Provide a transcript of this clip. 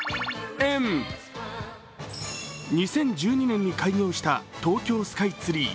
２０１２年に開業した東京スカイツリー。